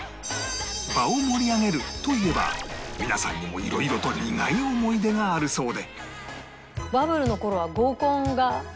場を盛り上げるといえば皆さんにもいろいろと苦い思い出があるそうで